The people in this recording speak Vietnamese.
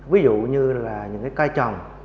ví dụ như là những cái cai trồng